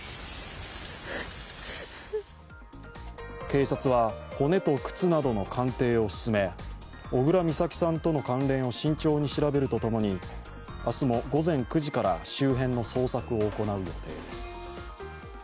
警察は、骨と靴などの鑑定を進め小倉美咲さんとの関連を慎重に調べるとともに明日も午前９時から周辺の捜索を行う予定です。